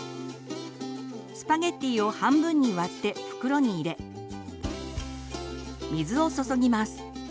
スパゲッティを半分に割って袋に入れ水を注ぎます。